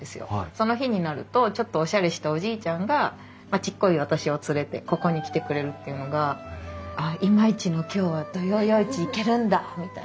その日になるとちょっとおしゃれしたおじいちゃんがちっこい私を連れてここに来てくれるっていうのが「ああ今日は土曜夜市行けるんだ」みたいな。